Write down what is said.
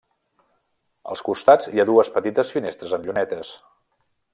Als costats hi ha dues petites finestres amb llunetes.